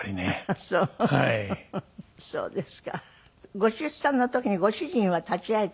ご出産の時にご主人は立ち会えた？